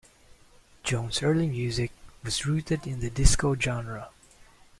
Jones' early music was rooted in the disco genre.